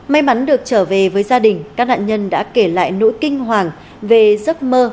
may mắn được trở về với gia đình các nạn nhân đã kể lại nỗi kinh hoàng về giấc mơ